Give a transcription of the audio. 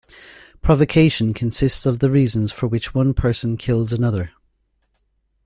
Provocation consists of the reasons for which one person kills another.